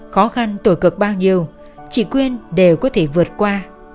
khó khăn tồi cực bao nhiêu chị quyên đều có thể vượt qua